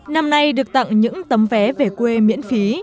năm nay được tặng những tấm vé về quê miễn phí